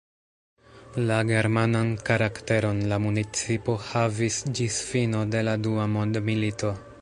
La germanan karakteron la municipo havis ĝis fino de la dua mondmilito.